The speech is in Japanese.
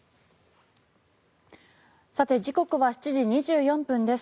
さて、時刻は７時２４分です。